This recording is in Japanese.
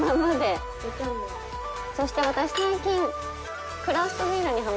そして私最近。